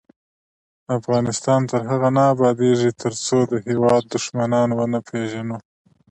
افغانستان تر هغو نه ابادیږي، ترڅو د هیواد دښمنان ونه پیژنو.